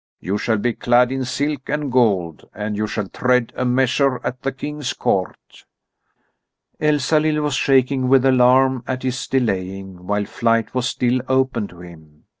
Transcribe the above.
You shall be clad in silk and gold, and you shall tread a measure at the King's court." Elsalill was shaking with alarm at his delaying while flight was still open to him.